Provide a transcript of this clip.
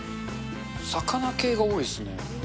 魚系が多いですね。